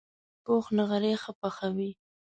پوخ نغری ښه پخوي